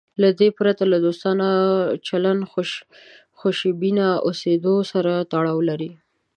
له دې پرته له دوستانه چلند خوشبینه اوسېدو سره تړاو لري.